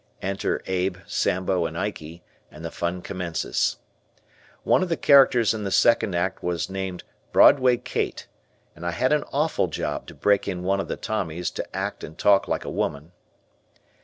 Enter Abe, Sambo, and Ikey, and the fun commences. One of the characters in the second act was named Broadway Kate, and I had an awful job to break in one of the Tommies to act and talk like a woman.